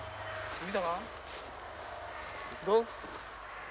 どう？